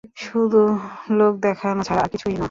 শুধু লোক দেখানো ছাড়া আর কিছু না।